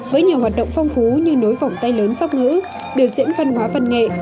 với nhiều hoạt động phong phú như nối vòng tay lớn pháp ngữ biểu diễn văn hóa văn nghệ